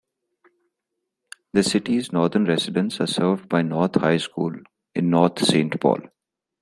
The city's northern residents are served by North High School in North St. Paul.